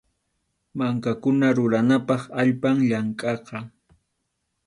Mankakuna ruranapaq allpam llankaqa.